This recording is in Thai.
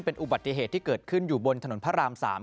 เป็นอุบัติเหตุที่เกิดขึ้นอยู่บนถนนพระราม๓